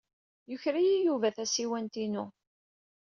Yuker-iyi Yuba tasiwant-inu.